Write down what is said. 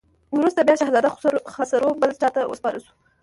وروسته بیا شهزاده خسرو بل چا ته وسپارل شو.